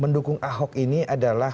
mendukung ahok ini adalah